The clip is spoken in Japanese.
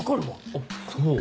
あっそう。